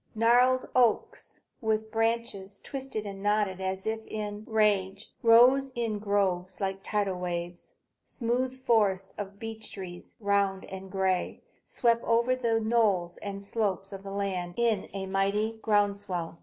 Gnarled oaks, with branches twisted and knotted as if in rage, rose in groves like tidal waves. Smooth forests of beech trees, round and gray, swept over the knolls and slopes of land in a mighty ground swell.